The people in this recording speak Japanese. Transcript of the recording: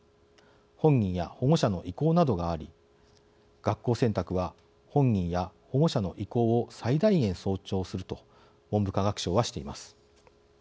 本人や保護者の意向などがあり学校選択は本人や保護者の意向を最大限、尊重すると文部科学省はしています。